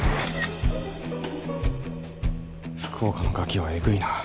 福岡のガキはえぐいな。